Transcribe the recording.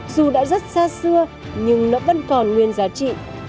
dù đã rất xa xưa nhưng nó vẫn còn nguyên giá trị